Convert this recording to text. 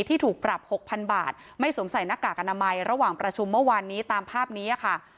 ที่ถูกปรับหกพันบาทไม่สวมใส่หน้ากากอนามัยระหว่างประชุมเมื่อวานนี้ตามภาพนี้ค่ะ